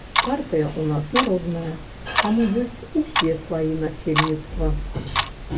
Партыя ў нас народная, таму ёсць усе слаі насельніцтва.